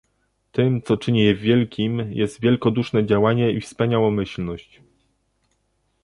Tym, co czyni je wielkim, jest wielkoduszne działanie i wspaniałomyślość